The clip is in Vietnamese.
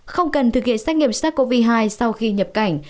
không cần thực hiện xét nghiệm sars cov hai sau khi nhập cảnh